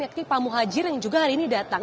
yakni pak muhajir yang juga hari ini datang